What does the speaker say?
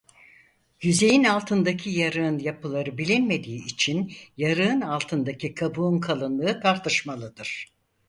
Yüzeyin altındaki yarığın yapıları bilinmediği için yarığın altındaki kabuğun kalınlığı tartışmalıdır.